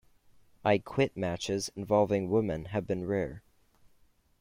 "I Quit" matches involving women have been rare.